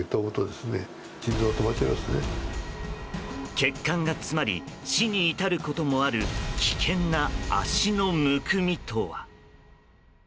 血管が詰まり死に至ることもある危険な、足のむくみとは？